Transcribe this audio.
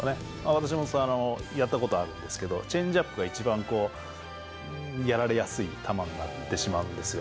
私もやったことあるんですけど、チェンジアップが一番こう、やられやすい球になってしまうんですよ。